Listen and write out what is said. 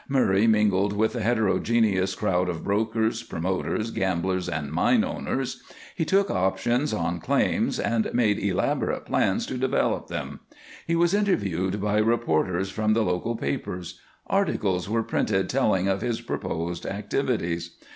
Murray mingled with the heterogeneous crowd of brokers, promoters, gamblers, and mine owners; he took options on claims and made elaborate plans to develop them; he was interviewed by reporters from the local papers; articles were printed telling of his proposed activities.